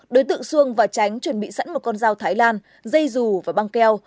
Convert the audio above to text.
đối tượng xuông và tránh chuẩn bị sẵn một con dao thái lan dây dù và băng keo